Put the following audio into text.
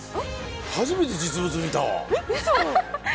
初めて実物見たわ。